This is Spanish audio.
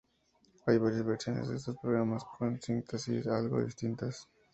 Hay varias versiones de estos programas, con sintaxis algo distintas.